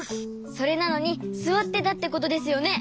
それなのにすわってたってことですよね？